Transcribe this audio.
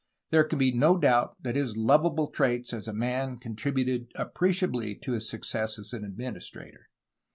There can be no doubt that his lovable traits as a man con tributed appreciably to his success as an administrator.